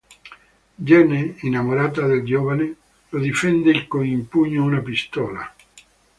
Gene, innamorata del giovane, lo difende con in pugno una pistola.